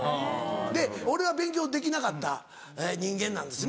で俺は勉強できなかった人間なんですね。